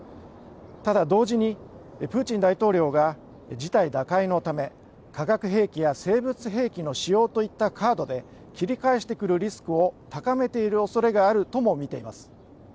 ただ同時にプーチン大統領が事態打開のため化学兵器や生物兵器の使用といったカードで切り返してくるリスクを高めているおそれがあるともみています。